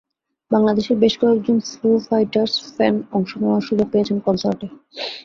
বাংলাদেশের বেশ কয়েকজন ফু ফাইটারস ফ্যান অংশ নেওয়ার সুযোগ পেয়েছেন কনসার্টে।